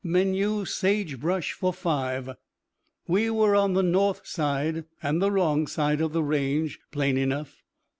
Menu: sage brush for five. We were on the north side, and the wrong side, of the range, plain enough.